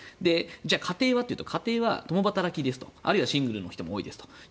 家庭はというと家庭は共働きあるいはシングルの人も多いです。